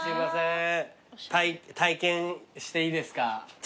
体験していいですか？